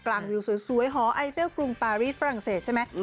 วิวสวยหอไอเซลกรุงปารีสฝรั่งเศสใช่ไหม